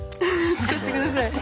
使ってください。